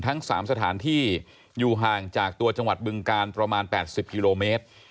ทั้ง๓สถานที่อยู่ห่างจากตัวจังหวัดบึงการประมาณ๘๐กิโลเมตร